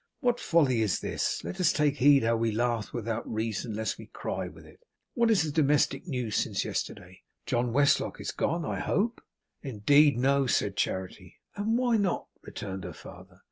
'What folly is this! Let us take heed how we laugh without reason lest we cry with it. What is the domestic news since yesterday? John Westlock is gone, I hope?' 'Indeed, no,' said Charity. 'And why not?' returned her father.